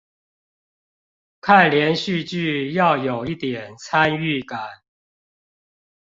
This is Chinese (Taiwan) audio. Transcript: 看連續劇要有一點參與感